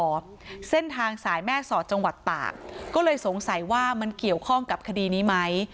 เส้นทางสายแม่สอดจังหวัดตากก็เลยสงสัยว่ามันเกี่ยวข้องกับคดีนี้ไหม